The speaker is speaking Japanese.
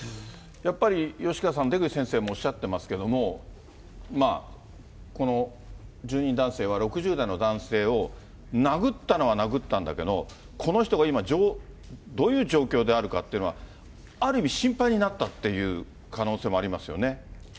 やっぱり吉川さん、出口先生もおっしゃってますけれども、この住人男性は６０代の男性を殴ったのは殴ったんだけど、この人が今、どういう状況であるかっていうのは、ある意味、心配になったっていう可能性もありますよね。